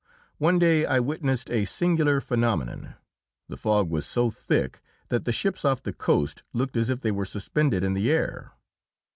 One day I witnessed a singular phenomenon; the fog was so thick that the ships off the coast looked as if they were suspended in the air.